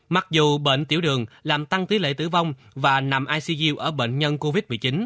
mặc dù bệnh tiểu đường làm tăng tỷ lệ tử vong và nằm icu ở bệnh nhân covid một mươi chín